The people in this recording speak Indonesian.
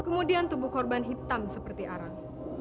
kemudian tubuh korban hitam seperti arang